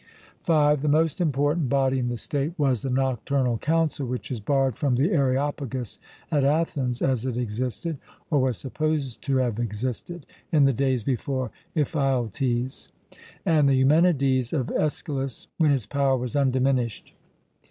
(5) The most important body in the state was the Nocturnal Council, which is borrowed from the Areopagus at Athens, as it existed, or was supposed to have existed, in the days before Ephialtes and the Eumenides of Aeschylus, when its power was undiminished.